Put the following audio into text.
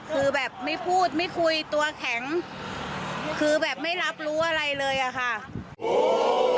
คือแบบไม่พูดไม่คุยตัวแข็งคือแบบไม่รับรู้อะไรเลยอะค่ะ